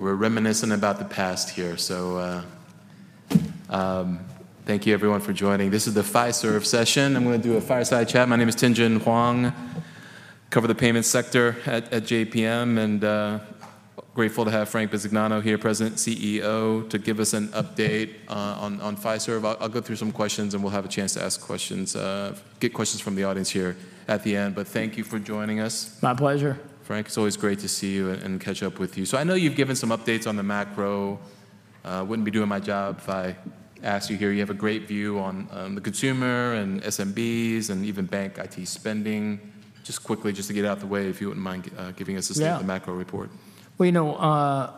We're reminiscing about the past here, so, thank you everyone for joining. This is the Fiserv session. I'm gonna do a fireside chat. My name is Tien-Tsin Huang, cover the payments sector at JPM, and grateful to have Frank Bisignano here, President CEO, to give us an update on Fiserv. I'll go through some questions, and we'll have a chance to ask questions, get questions from the audience here at the end, but thank you for joining us. My pleasure. Frank, it's always great to see you and catch up with you. So I know you've given some updates on the macro. Wouldn't be doing my job if I asked you here. You have a great view on the consumer and SMBs, and even bank IT spending. Just quickly, just to get it out the way, if you wouldn't mind giving us- Yeah... a state of the macro report. Well, you know,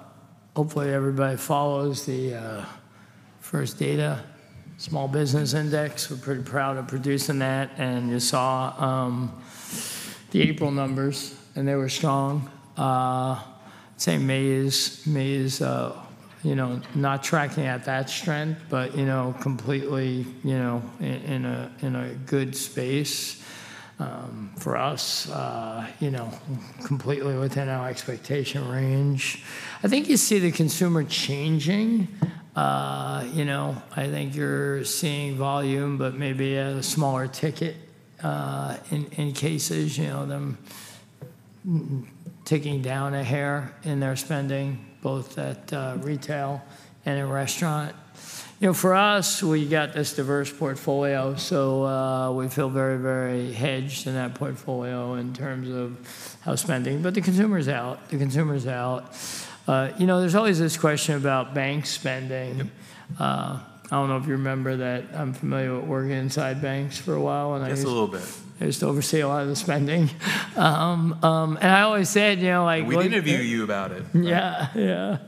hopefully everybody follows the First Data Small Business Index. We're pretty proud of producing that, and you saw the April numbers, and they were strong. I'd say May is, you know, not tracking at that strength, but, you know, completely, you know, in a good space for us, you know, completely within our expectation range. I think you see the consumer changing. You know, I think you're seeing volume, but maybe at a smaller ticket in cases, you know, them taking down a hair in their spending, both at retail and in restaurant. You know, for us, we got this diverse portfolio, so we feel very, very hedged in that portfolio in terms of how spending. But the consumer's out, the consumer's out. You know, there's always this question about bank spending. I don't know if you remember that I'm familiar with working inside banks for a while, and I used- Just a little bit.... I used to oversee a lot of the spending, and I always said, you know, like- We interviewed you about it. Yeah, yeah.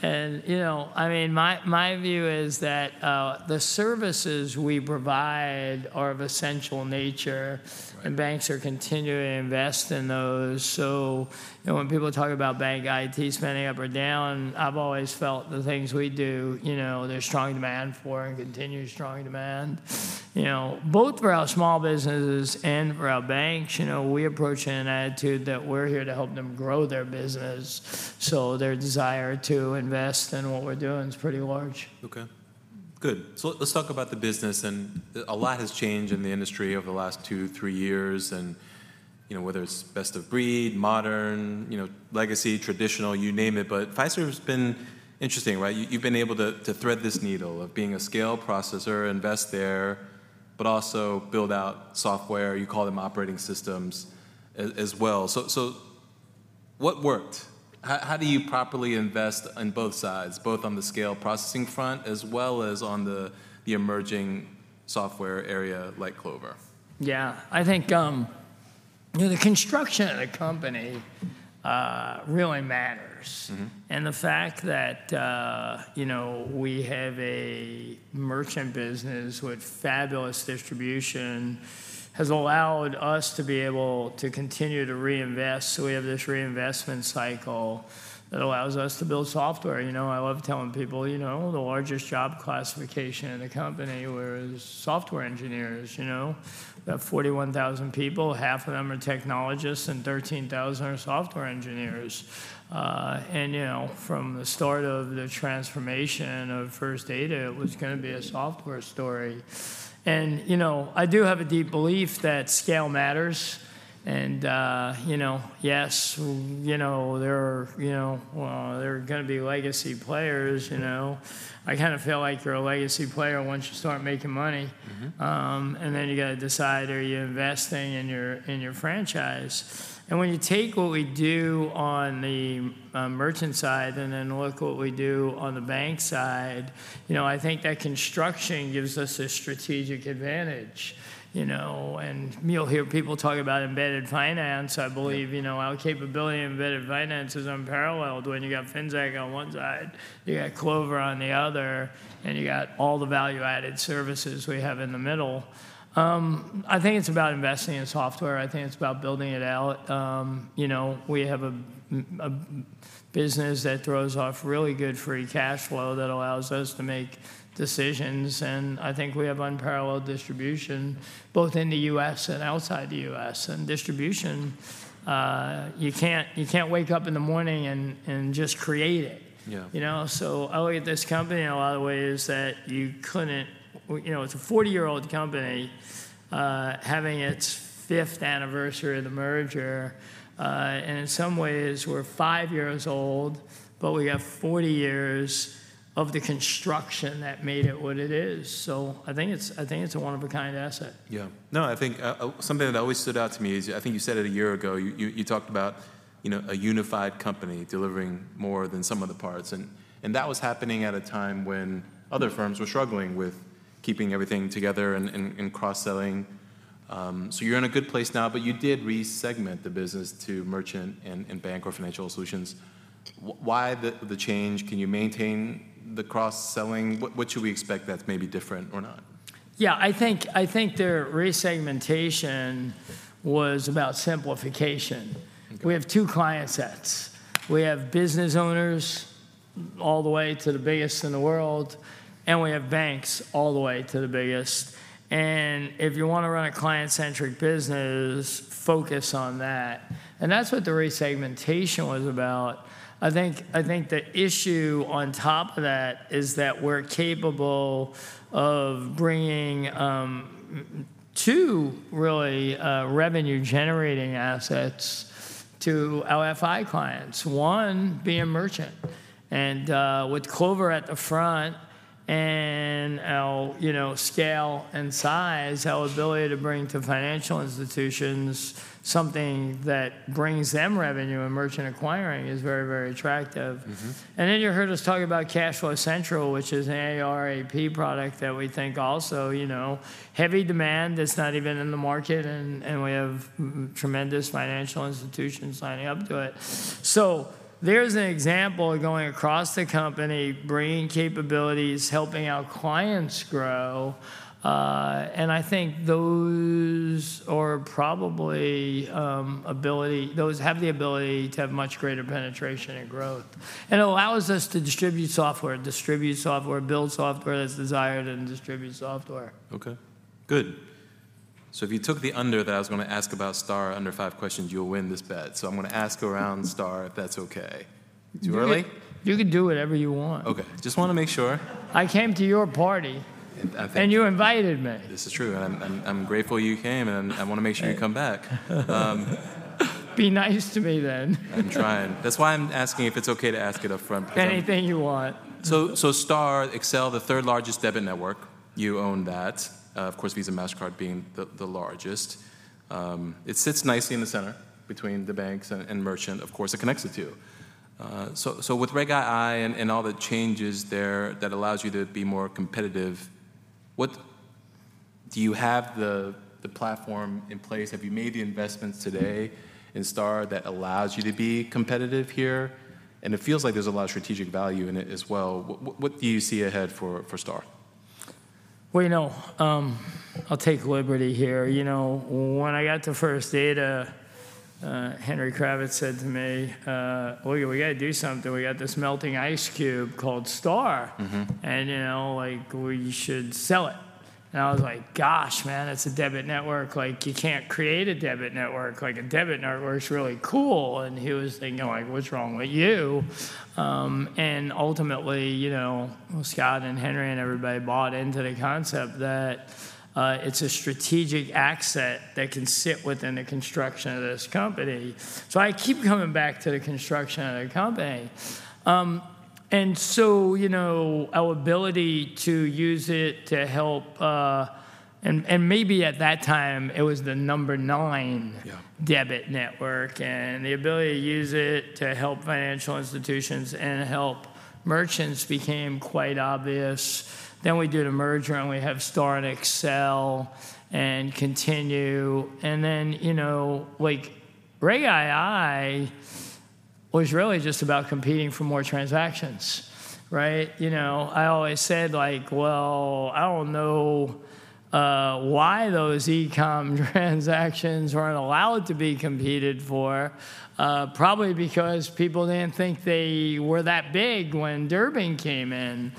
And you know, I mean, my view is that the services we provide are of essential nature. Right... and banks are continuing to invest in those. So, you know, when people talk about bank IT spending up or down, I've always felt the things we do, you know, there's strong demand for and continue strong demand. You know, both for our small businesses and for our banks, you know, we approach it in an attitude that we're here to help them grow their business, so their desire to invest in what we're doing is pretty large. Okay. Good. So let's talk about the business, and a lot has changed in the industry over the last two, three years, and, you know, whether it's best of breed, modern, you know, legacy, traditional, you name it, but Fiserv's been interesting, right? You've been able to thread this needle of being a scale processor, invest there, but also build out software, you call them operating systems, as well. So what worked? How do you properly invest on both sides, both on the scale processing front, as well as on the emerging software area like Clover? Yeah. I think, you know, the construction of the company, really matters. Mm-hmm. And the fact that, you know, we have a merchant business with fabulous distribution has allowed us to be able to continue to reinvest, so we have this reinvestment cycle that allows us to build software. You know, I love telling people, you know, the largest job classification in the company was software engineers, you know. About 41,000 people, half of them are technologists, and 13,000 are software engineers. And, you know, from the start of the transformation of First Data, it was gonna be a software story. And, you know, I do have a deep belief that scale matters, and, you know, yes, you know, there are, you know, well, there are gonna be legacy players, you know. I kind of feel like you're a legacy player once you start making money. Mm-hmm. And then you gotta decide, are you investing in your franchise? And when you take what we do on the merchant side, and then look what we do on the bank side, you know, I think that construction gives us a strategic advantage, you know. And you'll hear people talk about embedded finance- Yeah... I believe, you know, our capability in embedded finance is unparalleled when you got Finxact on one side, you got Clover on the other, and you got all the value-added services we have in the middle. I think it's about investing in software. I think it's about building it out. You know, we have a business that throws off really good free cash flow that allows us to make decisions, and I think we have unparalleled distribution, both in the U.S. and outside the U.S. And distribution, you can't, you can't wake up in the morning and, and just create it. Yeah. You know? So I look at this company in a lot of ways that you couldn't... You know, it's a 40-year-old company, having its 5th anniversary of the merger, and in some ways, we're 5 years old, but we got 40 years of the construction that made it what it is. So I think it's, I think it's a one-of-a-kind asset. Yeah. No, I think something that always stood out to me is, I think you said it a year ago, you talked about, you know, a unified company delivering more than sum of the parts. And that was happening at a time when other firms were struggling with keeping everything together and cross-selling. So you're in a good place now, but you did re-segment the business to merchant and bank or financial solutions. Why the change? Can you maintain the cross-selling? What should we expect that's maybe different or not? Yeah, I think, I think the re-segmentation was about simplification. Okay. We have two client sets. We have business owners, all the way to the biggest in the world, and we have banks, all the way to the biggest. And if you want to run a client-centric business, focus on that... and that's what the resegmentation was about. I think, I think the issue on top of that is that we're capable of bringing two really revenue-generating assets to our FI clients. One, be a merchant, and with Clover at the front and our, you know, scale and size, our ability to bring to financial institutions something that brings them revenue and merchant acquiring is very, very attractive. Mm-hmm. And then you heard us talk about Cash Flow Central, which is an AR/AP product that we think also, you know, heavy demand that's not even in the market, and, and we have tremendous financial institutions signing up to it. So there's an example of going across the company, bringing capabilities, helping our clients grow, and I think those are probably those have the ability to have much greater penetration and growth. And it allows us to distribute software, distribute software, build software that's desired, and distribute software. Okay, good. So if you took the under that I was going to ask about STAR under five questions, you'll win this bet. So I'm going to ask around STAR, if that's okay. Too early? You can do whatever you want. Okay, just want to make sure. I came to your party- I think- - and you invited me. This is true, and I'm grateful you came, and I want to make sure you come back. Be nice to me then. I'm trying. That's why I'm asking if it's okay to ask it up front? Anything you want. So, Star, Accel, the third largest debit network, you own that. Of course, Visa, Mastercard being the largest. It sits nicely in the center between the banks and merchant. Of course, it connects the two. So, with Reg II and all the changes there that allows you to be more competitive, what... Do you have the platform in place? Have you made the investments today in Star that allows you to be competitive here? And it feels like there's a lot of strategic value in it as well. What do you see ahead for Star? Well, you know, I'll take liberty here. You know, when I got to First Data, Henry Kravis said to me, "Look, we got to do something. We got this melting ice cube called Star- Mm-hmm. - and, you know, like, we should sell it." And I was like: Gosh, man, it's a debit network. Like, you can't create a debit network. Like, a debit network's really cool. And he was thinking like: What's wrong with you? And ultimately, you know, Scott and Henry, and everybody bought into the concept that, it's a strategic asset that can sit within the construction of this company. So I keep coming back to the construction of the company. And so, you know, our ability to use it to help... And, and maybe at that time, it was the number nine- Yeah... debit network, and the ability to use it to help financial institutions and help merchants became quite obvious. Then we did a merger, and we have STAR and Accel, and continue. And then, you know, like, Reg II was really just about competing for more transactions, right? You know, I always said, like: "Well, I don't know why those e-com transactions weren't allowed to be competed for." Probably because people didn't think they were that big when Durbin came in.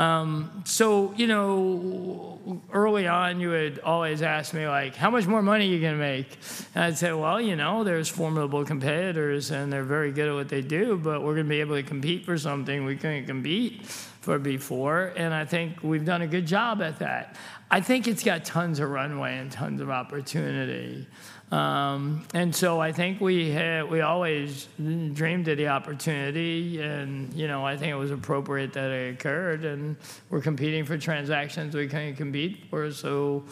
Right. So, you know, early on, you would always ask me, like: "How much more money are you gonna make?" And I'd say: Well, you know, there's formidable competitors, and they're very good at what they do, but we're gonna be able to compete for something we couldn't compete for before, and I think we've done a good job at that. I think it's got tons of runway and tons of opportunity. And so I think we always dreamed of the opportunity and, you know, I think it was appropriate that it occurred, and we're competing for transactions we couldn't compete for. So,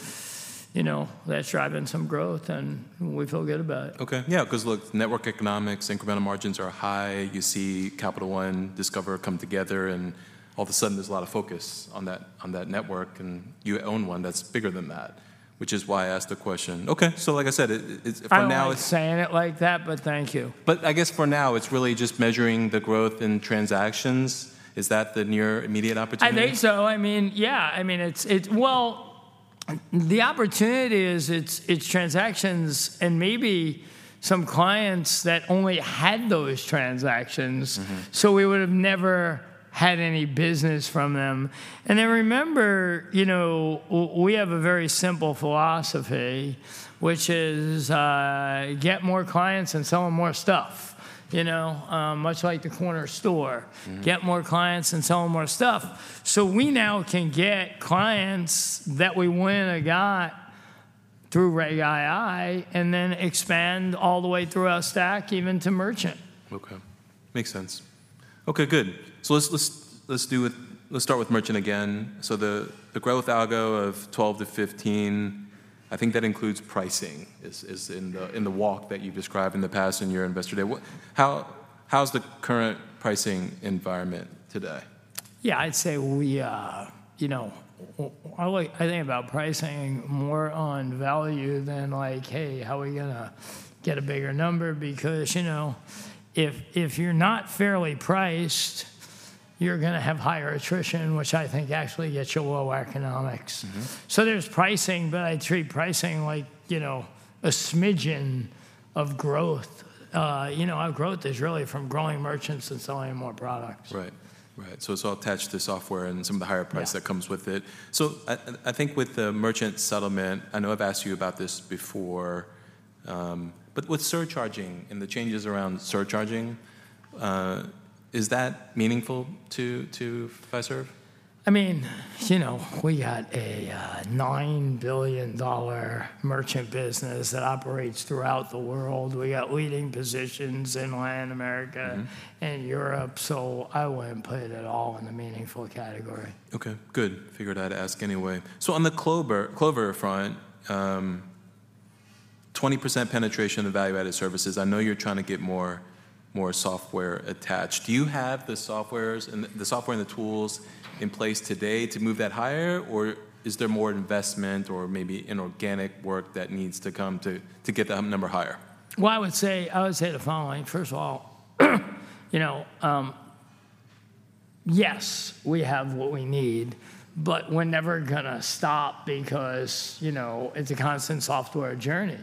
you know, that's driving some growth, and we feel good about it. Okay. Yeah, 'cause look, network economics, incremental margins are high. You see Capital One, Discover come together, and all of a sudden, there's a lot of focus on that, on that network, and you own one that's bigger than that, which is why I asked the question. Okay, so like I said, for now it's- I don't like saying it like that, but thank you. But I guess for now, it's really just measuring the growth in transactions. Is that the near immediate opportunity? I think so. I mean, yeah. I mean, it's, well, the opportunity is, it's, it's transactions and maybe some clients that only had those transactions- Mm-hmm... so we would've never had any business from them. And then remember, you know, we have a very simple philosophy, which is, get more clients and sell them more stuff, you know, much like the corner store. Mm. Get more clients and sell them more stuff. So we now can get clients that we went and got through Reg II, and then expand all the way through our stack, even to merchant. Okay. Makes sense. Okay, good. So let's start with merchant again. So the growth algo of 12-15, I think that includes pricing, is in the walk that you've described in the past in your Investor Day. How's the current pricing environment today? Yeah, I'd say we, you know, I like- I think about pricing more on value than like, "Hey, how are we gonna get a bigger number?" Because, you know, if, if you're not fairly priced, you're gonna have higher attrition, which I think actually gets you low economics. Mm-hmm. There's pricing, but I treat pricing like, you know, a smidgen of growth. You know, our growth is really from growing merchants and selling more products. Right. Right, so it's all attached to software and some of the higher price that comes with it. Yeah. So I think with the merchant settlement, I know I've asked you about this before, but with surcharging and the changes around surcharging, is that meaningful to Fiserv? I mean, you know, we got a $9 billion merchant business that operates throughout the world. We got leading positions in Latin America- Mm-hmm... and Europe, so I wouldn't put it at all in the meaningful category. Okay, good. Figured I'd ask anyway. So on the Clover front, 20% penetration of value-added services, I know you're trying to get more software attached. Do you have the softwares and the software and the tools in place today to move that higher? Or is there more investment or maybe inorganic work that needs to come to get that number higher? Well, I would say, I would say the following: First of all, you know, yes, we have what we need, but we're never gonna stop because, you know, it's a constant software journey.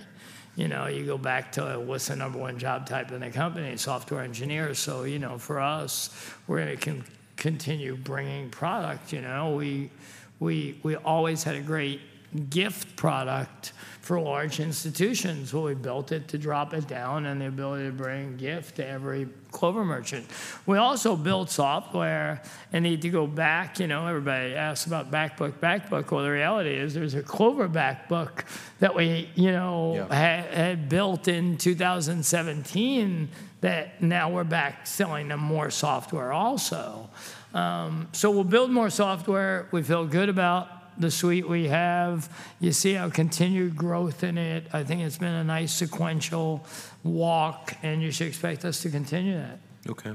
You know, you go back to what's the number one job type in the company? Software engineers. So, you know, for us, we're gonna continue bringing product, you know. We always had a great gift product for large institutions, but we built it to drop it down and the ability to bring gift to every Clover merchant. We also built software, and need to go back, you know, everybody asks about back book, back book. Well, the reality is, there's a Clover back book that we, you know- Yeah... had built in 2017, that now we're back selling them more software also. So we'll build more software. We feel good about the suite we have. You see our continued growth in it. I think it's been a nice sequential walk, and you should expect us to continue that. Okay.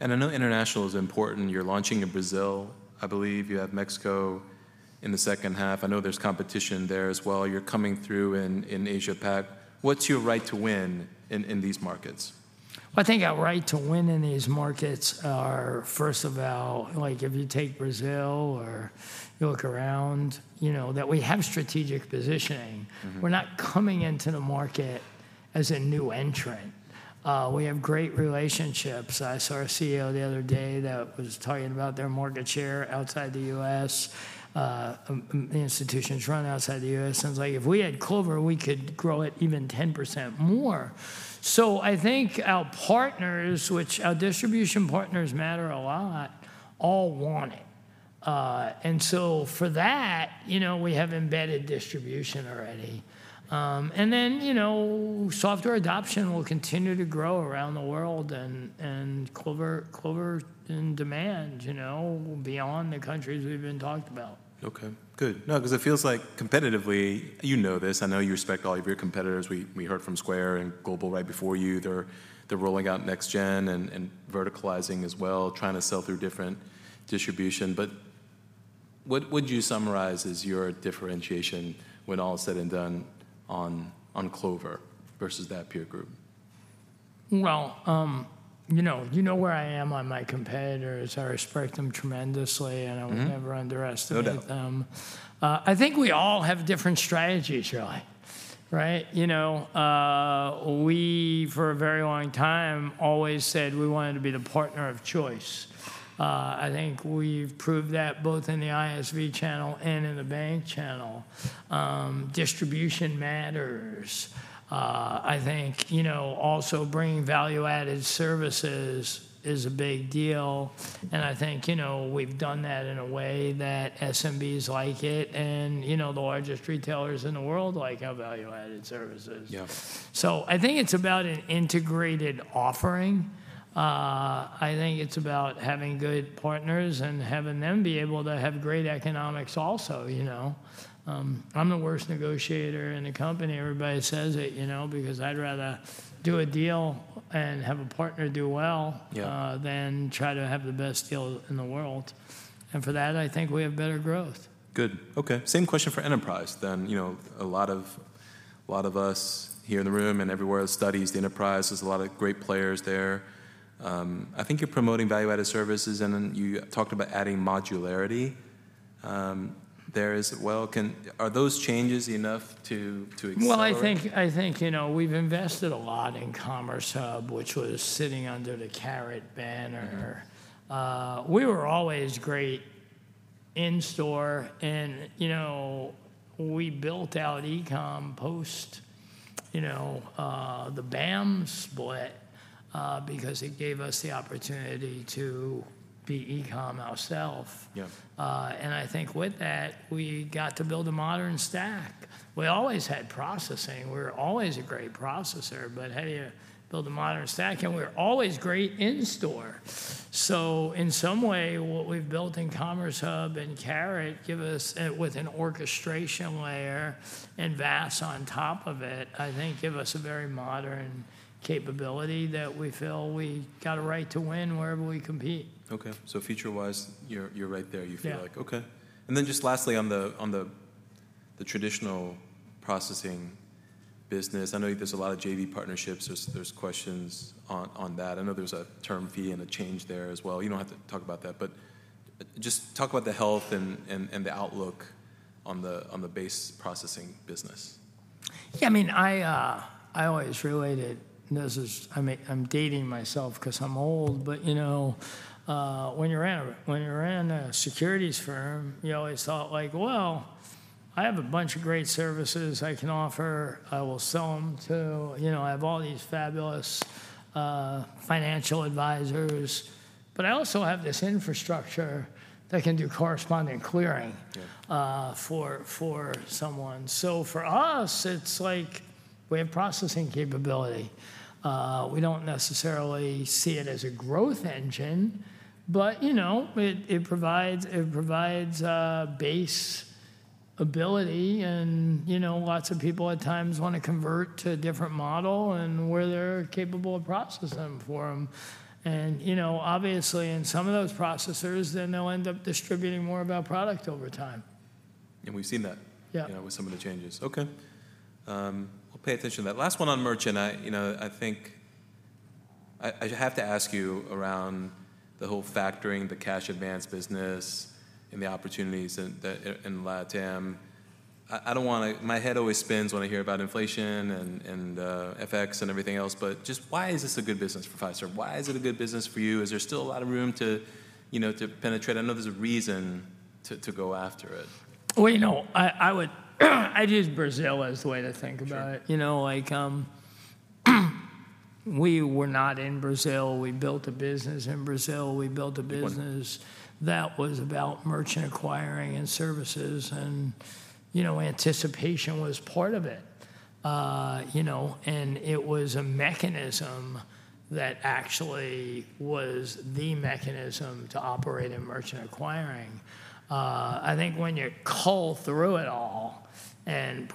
I know international is important. You're launching in Brazil. I believe you have Mexico in the second half. I know there's competition there as well. You're coming through in Asia Pac. What's your right to win in these markets? Well, I think our right to win in these markets are, first of all, like, if you take Brazil or you look around, you know, that we have strategic positioning. Mm-hmm. We're not coming into the market as a new entrant. We have great relationships. I saw a CEO the other day that was talking about their market share outside the U.S., the institutions run outside the U.S., and was like: "If we had Clover, we could grow it even 10% more." So I think our partners, which our distribution partners matter a lot, all want it. And so for that, you know, we have embedded distribution already. And then, you know, software adoption will continue to grow around the world, and Clover in demand, you know, beyond the countries we've been talked about. Okay, good. No, because it feels like competitively, you know this, I know you respect all of your competitors. We heard from Square and Global right before you. They're rolling out next gen and verticalizing as well, trying to sell through different distribution. But what would you summarize as your differentiation, when all is said and done, on Clover versus that peer group? Well, you know, you know where I am on my competitors. I respect them tremendously- Mm-hmm... and I will never underestimate them. No doubt. I think we all have different strategies, really, right? You know, we, for a very long time, always said we wanted to be the partner of choice. I think we've proved that both in the ISV channel and in the bank channel. Distribution matters. I think, you know, also bringing value-added services is a big deal, and I think, you know, we've done that in a way that SMBs like it, and, you know, the largest retailers in the world like our value-added services. Yeah. So I think it's about an integrated offering. I think it's about having good partners and having them be able to have great economics also, you know? I'm the worst negotiator in the company. Everybody says it, you know, because I'd rather do a deal and have a partner do well- Yeah... than try to have the best deal in the world. And for that, I think we have better growth. Good. Okay. Same question for enterprise, then. You know, a lot of, a lot of us here in the room and everywhere that studies the enterprise, there's a lot of great players there. I think you're promoting value-added services, and then you talked about adding modularity, there as well. Are those changes enough to explore? Well, I think, I think, you know, we've invested a lot in Commerce Hub, which was sitting under the Carat banner. Mm-hmm. We were always great in-store and, you know, we built out e-com post, you know, the BAMS split, because it gave us the opportunity to be e-com ourselves. Yeah. And I think with that, we got to build a modern stack. We always had processing. We were always a great processor, but how do you build a modern stack? And we were always great in-store. So in some way, what we've built in Commerce Hub and Carat give us, with an orchestration layer and VAS on top of it, I think give us a very modern capability that we feel we got a right to win wherever we compete. Okay, so feature-wise, you're, you're right there, you feel like. Yeah. Okay. And then just lastly, on the traditional processing business, I know there's a lot of JV partnerships. There's questions on that. I know there's a term fee and a change there as well. You don't have to talk about that, but just talk about the health and the outlook on the base processing business.... Yeah, I mean, I, I always related, and this is, I mean, I'm dating myself 'cause I'm old, but, you know, when you ran a securities firm, you always thought like: "Well, I have a bunch of great services I can offer. I will sell them to, you know, I have all these fabulous, financial advisors, but I also have this infrastructure that can do corresponding clearing- Yeah. So for us, it's like we have processing capability. We don't necessarily see it as a growth engine, but, you know, it provides a base ability and, you know, lots of people at times want to convert to a different model and we're there, capable of processing for them. And, you know, obviously, in some of those processors, then they'll end up distributing more of our product over time. And we've seen that- Yeah... you know, with some of the changes. Okay. We'll pay attention to that. Last one on merchant. You know, I think I have to ask you around the whole factoring, the cash advance business, and the opportunities in LATAM. I don't want to. My head always spins when I hear about inflation and FX and everything else, but just why is this a good business for Visa? Why is it a good business for you? Is there still a lot of room to, you know, to penetrate? I know there's a reason to go after it. Well, you know, I, I would, I'd use Brazil as the way to think about it. Sure. You know, like, we were not in Brazil. We built a business in Brazil. Wonderful. We built a business that was about merchant acquiring and services, and, you know, anticipation was part of it. You know, and it was a mechanism that actually was the mechanism to operate in merchant acquiring. I think when you cull through it all and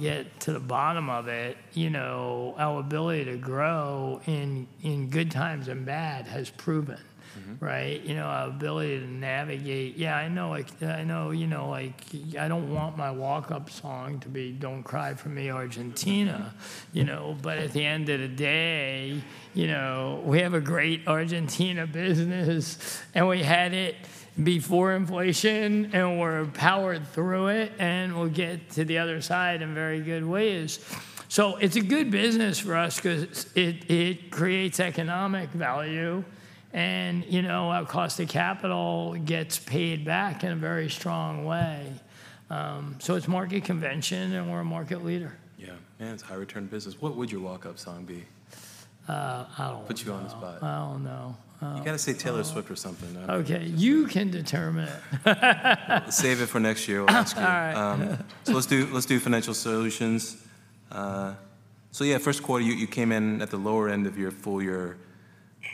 get to the bottom of it, you know, our ability to grow in good times and bad has proven- Mm-hmm... right? You know, our ability to navigate. Yeah, I know, like, I know, you know, like, I don't want my walk-up song to be "Don't Cry for Me, Argentina," you know? But at the end of the day, you know, we have a great Argentina business, and we had it before inflation, and we're powered through it, and we'll get to the other side in very good ways. So it's a good business for us 'cause it, it creates economic value and, you know, our cost of capital gets paid back in a very strong way. So it's market convention, and we're a market leader. Yeah, and it's high-return business. What would your walk-up song be? I don't know. Put you on the spot. I don't know. You got to say Taylor Swift or something, huh? Okay, you can determine it. We'll save it for next year. We'll ask you. All right. So let's do Financial Solutions. So yeah, first quarter, you came in at the lower end of your full year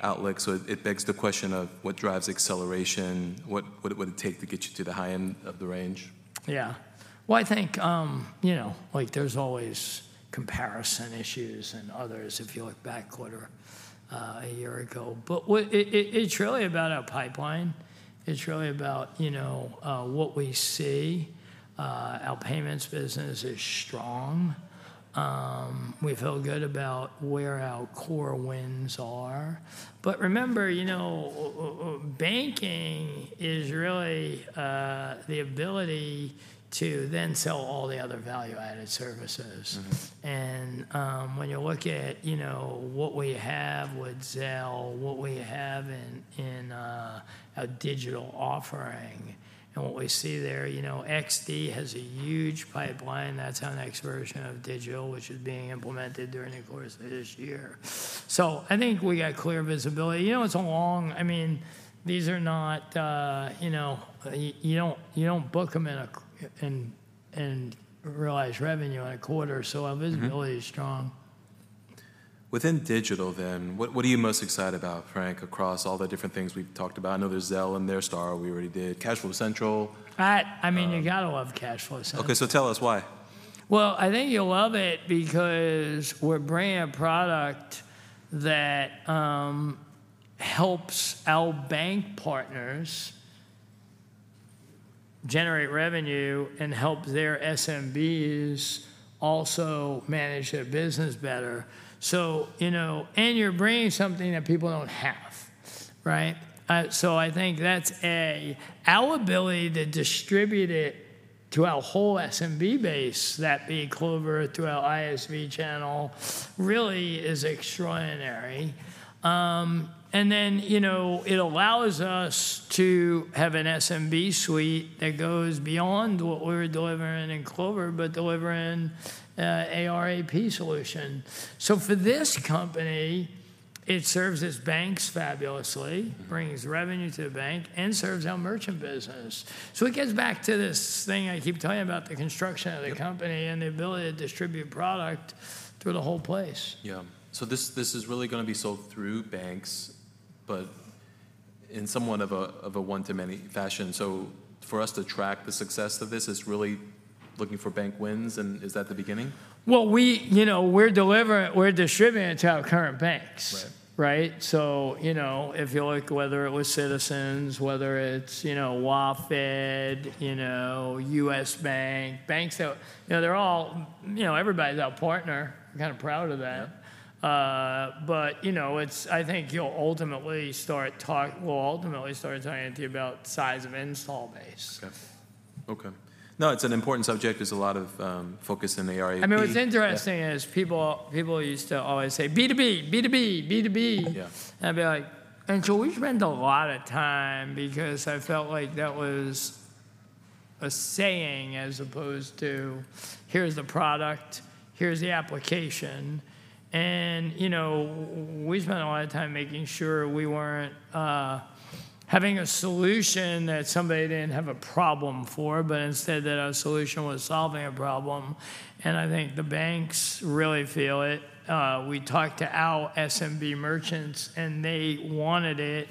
outlook, so it begs the question of what drives acceleration? What would it take to get you to the high end of the range? Yeah. Well, I think, you know, like, there's always comparison issues and others if you look back quarter, a year ago. But what it, it's really about our pipeline. It's really about, you know, what we see. Our payments business is strong. We feel good about where our core wins are. But remember, you know, banking is really, the ability to then sell all the other value-added services. Mm-hmm. When you look at, you know, what we have with Zelle, what we have in our digital offering and what we see there, you know, XD has a huge pipeline. That's our next version of digital, which is being implemented during the course of this year. So I think we got clear visibility. You know, it's a long... I mean, these are not... You know, you don't, you don't book them in a quarter, in realized revenue in a quarter, so- Mm-hmm... our visibility is strong. Within digital then, what are you most excited about, Frank, across all the different things we've talked about? I know there's Zelle and their star we already did. Cash Flow Central. I mean, you got to love Cash Flow Central. Okay, so tell us why? Well, I think you'll love it because we're bringing a product that helps our bank partners generate revenue and help their SMBs also manage their business better, so you know. And you're bringing something that people don't have, right? So I think that's our ability to distribute it to our whole SMB base, that be Clover, through our ISV channel, really is extraordinary. And then, you know, it allows us to have an SMB suite that goes beyond what we're delivering in Clover, but delivering an AR/AP solution. So for this company, it serves its banks fabulously- Mm... brings revenue to the bank, and serves our merchant business. So it gets back to this thing I keep telling you about the construction of the company- Yep... and the ability to distribute product through the whole place. Yeah. So this, this is really going to be sold through banks, but in somewhat of a, of a one-to-many fashion. So for us to track the success of this, it's really looking for bank wins, and is that the beginning? Well, we, you know, we're delivering - we're distributing it to our current banks. Right. Right? So, you know, if you look, whether it was Citizens, whether it's, you know, WaFd, you know, U.S. Bank, banks that, you know, they're all... You know, everybody's our partner. I'm kind of proud of that. Yeah.... but, you know, it's, I think we'll ultimately start talking to you about size of install base. Okay. Okay. No, it's an important subject. There's a lot of focus in the AR/AP. I mean, what's interesting is people, people used to always say, "B2B, B2B, B2B. Yeah. And I'd be like, "And so we spent a lot of time," because I felt like that was a saying as opposed to, "Here's the product, here's the application." And, you know, we spent a lot of time making sure we weren't having a solution that somebody didn't have a problem for, but instead that our solution was solving a problem, and I think the banks really feel it. We talked to our SMB merchants, and they wanted it,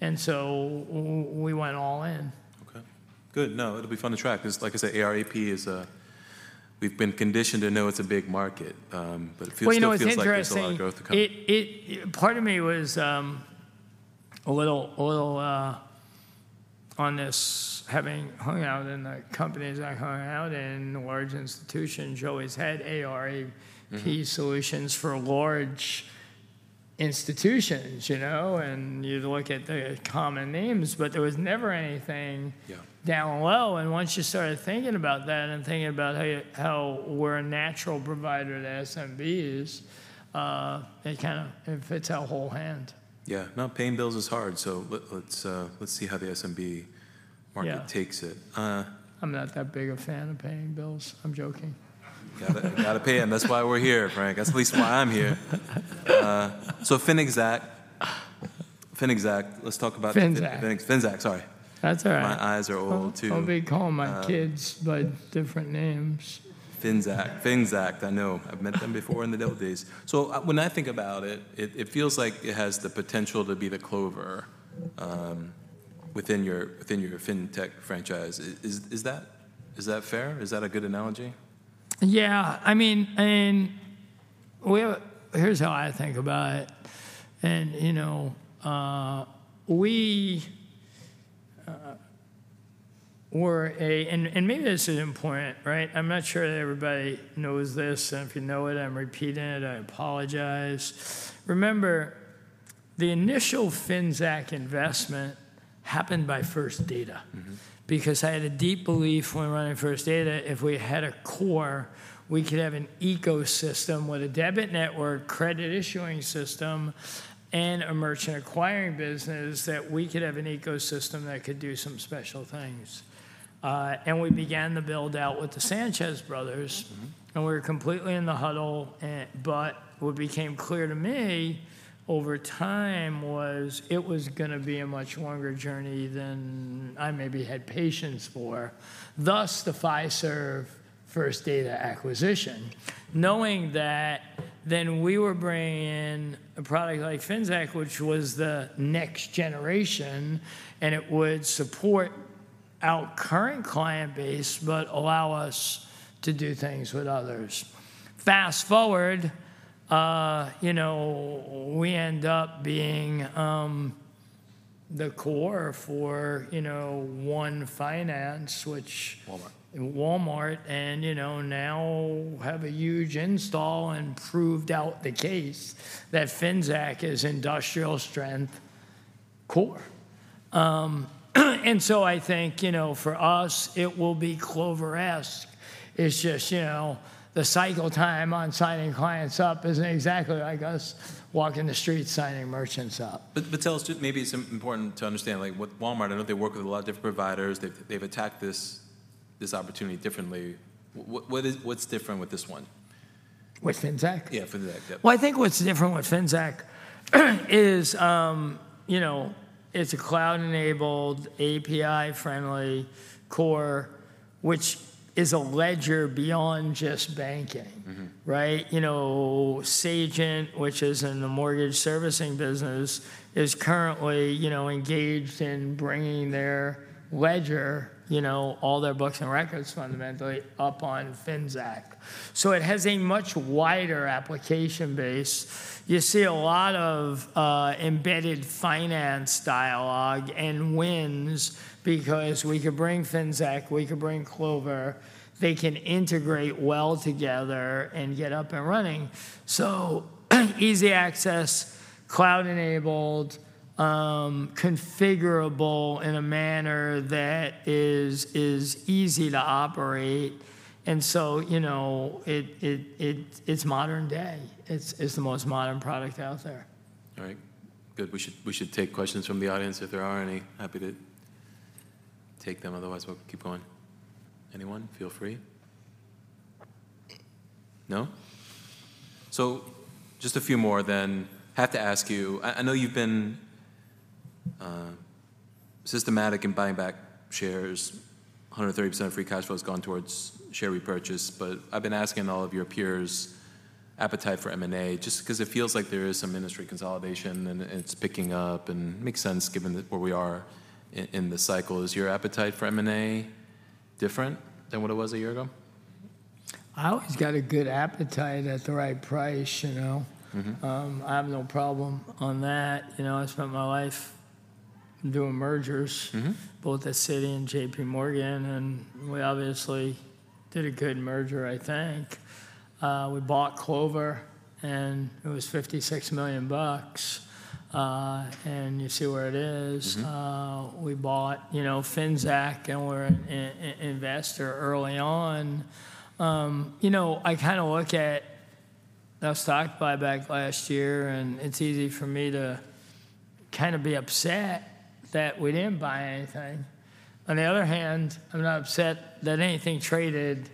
and so we went all in. Okay, good. No, it'll be fun to track 'cause like I said, AR/AP is a... We've been conditioned to know it's a big market, but it feels- Well, you know, what's interesting- Feels like there's a lot of growth to come. Part of me was a little on this, having hung out in the companies I hung out in, large institutions always had AR/AP- Mm-hmm... solutions for large institutions, you know, and you'd look at the common names, but there was never anything- Yeah... down low, and once you started thinking about that and thinking about how we're a natural provider to SMBs, it kind of, it fits our whole hand. Yeah. No, paying bills is hard, so let's see how the SMB market- Yeah... takes it. I'm not that big a fan of paying bills. I'm joking. Gotta, gotta pay 'em. That's why we're here, Frank. That's at least why I'm here. So Finxact, Finxact, let's talk about- Finxact. Finxact, sorry. That's all right. My eyes are old, too. I'll be calling my kids by different names. Finxact. Finxact, I know. I've met them before in the old days. So when I think about it, it feels like it has the potential to be the Clover within your fintech franchise. Is that fair? Is that a good analogy? Yeah, I mean, we have a... Here's how I think about it, and, you know, we were a... And maybe this is important, right? I'm not sure that everybody knows this, and if you know it, I'm repeating it, I apologize. Remember, the initial Finxact investment happened by First Data. Mm-hmm. Because I had a deep belief when running First Data, if we had a core, we could have an ecosystem with a debit network, credit issuing system, and a merchant acquiring business, that we could have an ecosystem that could do some special things. And we began the build-out with the Sanchez brothers. Mm-hmm. And we were completely in the huddle, and but what became clear to me over time was it was gonna be a much longer journey than I maybe had patience for, thus the Fiserv First Data acquisition. Knowing that, then we were bringing in a product like Finxact, which was the next generation, and it would support our current client base, but allow us to do things with others. Fast forward, you know, we end up being the core for, you know, One Finance, which- Walmart... Walmart, and, you know, now have a huge install and proved out the case that Finxact is industrial strength core. And so I think, you know, for us, it will be Clover-esque. It's just, you know, the cycle time on signing clients up isn't exactly like us walking the streets, signing merchants up. But tell us too, maybe it's important to understand, like, with Walmart, I know they work with a lot of different providers. They've attacked this opportunity differently. What's different with this one? With Finxact? Yeah, Finxact. Yep. Well, I think what's different with Finxact is, you know, it's a cloud-enabled, API-friendly core, which is a ledger beyond just banking. Mm-hmm. Right? You know, Sagent, which is in the mortgage servicing business, is currently, you know, engaged in bringing their ledger, you know, all their books and records fundamentally, up on Finxact. So it has a much wider application base. You see a lot of embedded finance dialogue and wins because we could bring Finxact, we could bring Clover. They can integrate well together and get up and running. So easy access, cloud-enabled, configurable in a manner that is easy to operate, and so, you know, it, it's modern day. It's the most modern product out there. All right. Good. We should take questions from the audience if there are any. Happy to take them, otherwise, we'll keep going. Anyone, feel free. No? So just a few more then. Have to ask you, I know you've been systematic in buying back shares. 130% of free cash flow has gone towards share repurchase, but I've been asking all of your peers' appetite for M&A just 'cause it feels like there is some industry consolidation and it's picking up, and it makes sense given where we are in the cycle. Is your appetite for M&A different than what it was a year ago? I always got a good appetite at the right price, you know? Mm-hmm. I have no problem on that. You know, I spent my life doing mergers. Mm-hmm. -both at Citi and J.P. Morgan, and we obviously did a good merger, I think. We bought Clover, and it was $56 million, and you see where it is. Mm-hmm. We bought, you know, Finxact, and we're an investor early on. You know, I kind of look at our stock buyback last year, and it's easy for me to kind of be upset that we didn't buy anything. On the other hand, I'm not upset that anything traded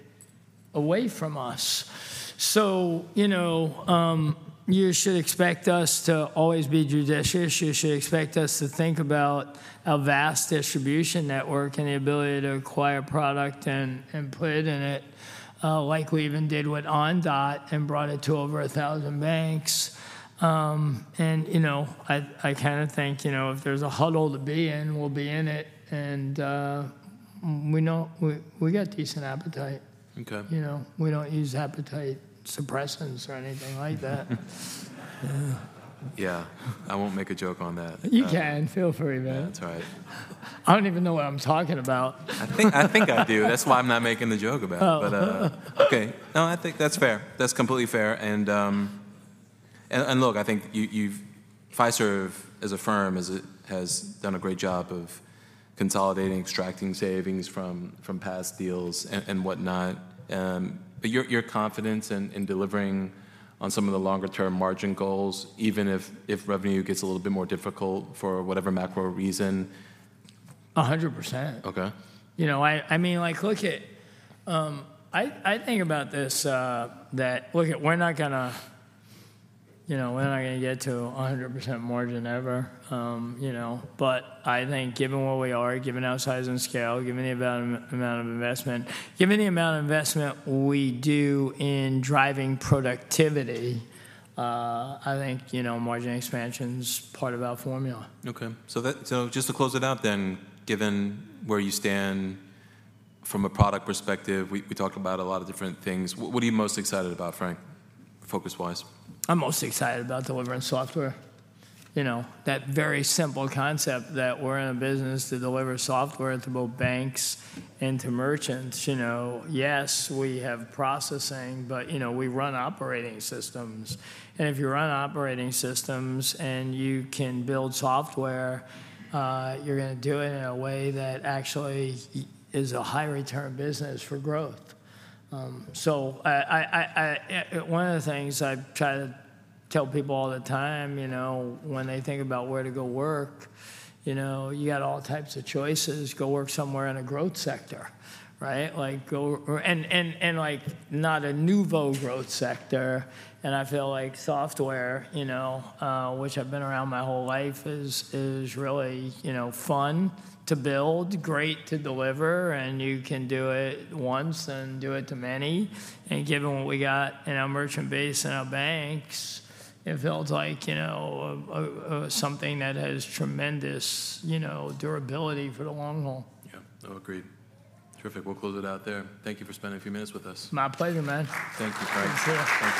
away from us. So, you know, you should expect us to always be judicious. You should expect us to think about our vast distribution network and the ability to acquire product and put in it, like we even did with Ondot and brought it to over a thousand banks. And, you know, I kind of think, you know, if there's a huddle to be in, we'll be in it, and we know we got decent appetite. Okay. You know, we don't use appetite suppressants or anything like that. Yeah, I won't make a joke on that. You can. Feel free, man. That's all right. I don't even know what I'm talking about. I think, I think I do. That's why I'm not making the joke about it. Oh. But, okay. No, I think that's fair. That's completely fair, and look, I think you, you've... Fiserv as a firm has done a great job of consolidating, extracting savings from past deals and whatnot. But your confidence in delivering on some of the longer-term margin goals, even if revenue gets a little bit more difficult for whatever macro reason? 100%. Okay. You know, I, I mean, like, look at, I, I think about this, that, look, we're not gonna, you know, we're not gonna get to 100% margin ever, you know. But I think given where we are, given our size and scale, given the amount, amount of investment, given the amount of investment we do in driving productivity, I think, you know, margin expansion's part of our formula. Okay, so. So just to close it out then, given where you stand from a product perspective, we, we talked about a lot of different things. What, what are you most excited about, Frank, focus-wise? I'm most excited about delivering software. You know, that very simple concept that we're in a business to deliver software to both banks and to merchants, you know. Yes, we have processing, but, you know, we run operating systems, and if you run operating systems and you can build software, you're gonna do it in a way that actually is a high-return business for growth. So one of the things I try to tell people all the time, you know, when they think about where to go work, you know, you got all types of choices. Go work somewhere in a growth sector, right? Like, go... And, like, not a nouveau growth sector, and I feel like software, you know, which I've been around my whole life, is really, you know, fun to build, great to deliver, and you can do it once and do it to many. And given what we got in our merchant base and our banks, it feels like, you know, a something that has tremendous, you know, durability for the long haul. Yeah. Oh, agreed. Terrific. We'll close it out there. Thank you for spending a few minutes with us. My pleasure, man. Thank you, Frank. Thank you.